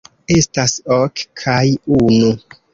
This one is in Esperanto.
Estas ok, kaj unu.